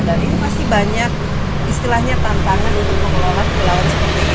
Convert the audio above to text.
dan ini pasti banyak istilahnya tantangan untuk mengelola kepulauan seperti ini